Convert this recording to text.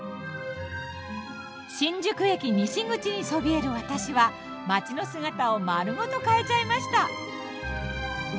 新宿駅西口にそびえる私は街の姿を丸ごと変えちゃいました。